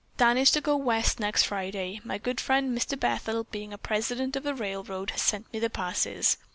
Dan is to go West next Friday. My good friend Mr. Bethel, being president of a railroad, has sent me the passes.